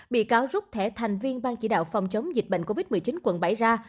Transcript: bị cáo rút thẻ thành viên ban chỉ đạo phòng chống dịch bệnh covid một mươi chín quận bảy ra